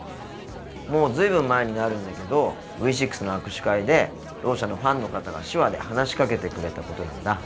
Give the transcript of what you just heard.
もう随分前になるんだけどＶ６の握手会でろう者のファンの方が手話で話しかけてくれたことなんだ。